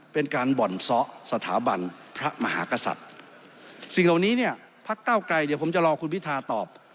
เป็นการบ่อนซ้อสถาบันพระมหากษัตริย์สิ่งเหล่านี้เนี่ยพักเก้าไกลเดี๋ยวผมจะรอคุณพิทาตอบ